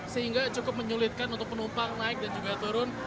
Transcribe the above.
sehingga cukup menyulitkan untuk penumpang naik dan juga turun